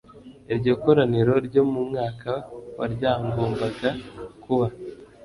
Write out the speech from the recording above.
iryo koraniro ryo mu mwaka wa ryagombaga kuba